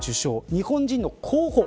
日本人の候補。